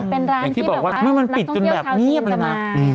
เป็นร้านที่เปิดเป็นท่านขี้มา